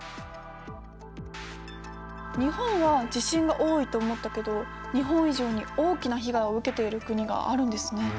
日本は地震が多いと思ったけど日本以上に大きな被害を受けている国があるんですね。